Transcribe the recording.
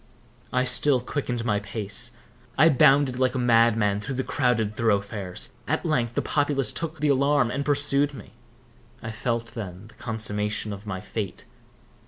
I still quickened my pace. I bounded like a madman through the crowded thoroughfares. At length, the populace took the alarm, and pursued me. I felt then the consummation of my fate.